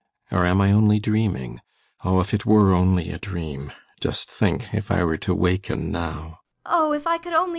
Or am I only dreaming? Oh, if it were only a dream! Just think, if I were to waken now!